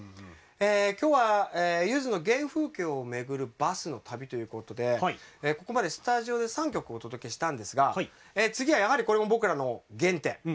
今日は、ゆずの原風景を巡るバスの旅ということでここまでスタジオで３曲お届けしたんですが次はやはり、これも僕らの原点。